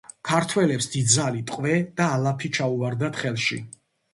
ქართველებს დიდძალი ტყვე და ალაფი ჩაუვარდათ ხელში.